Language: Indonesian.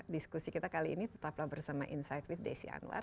diskusi kita kali ini tetaplah bersama insight with desi anwar